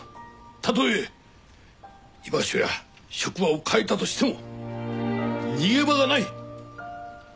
たとえ居場所や職場を変えたとしても逃げ場がない。